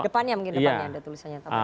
depannya mungkin depannya ada tulisannya taufik